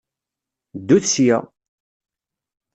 Ddut sya!